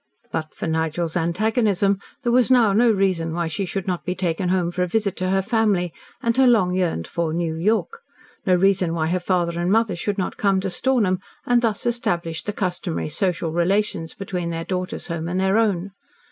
But for Nigel's antagonism there was now no reason why she should not be taken home for a visit to her family, and her long yearned for New York, no reason why her father and mother should not come to Stornham, and thus establish the customary social relations between their daughter's home and their own.